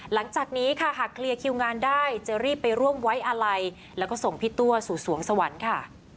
หลังจากนี้ค่ะหากเคลียร์คิวงานได้จะรีบไปร่วมไว้อาลัยแล้วก็ส่งพี่ตัวสู่สวงสวรรค์ค่ะ